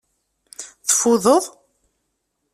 Tfudeḍ?